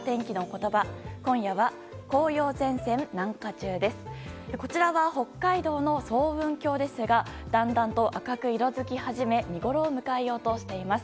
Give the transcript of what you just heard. こちらは北海道の層雲峡ですがだんだんと赤く色づき始め見ごろを迎えようとしています。